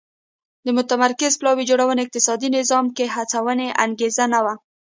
د متمرکزې پلان جوړونې اقتصادي نظام کې هڅوونکې انګېزه نه وه